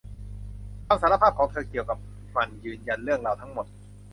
คำสารภาพของเธอเกี่ยวกับมันยืนยันเรื่องราวทั้งหมด